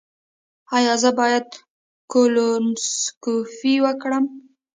ایا زه باید کولونوسکوپي وکړم؟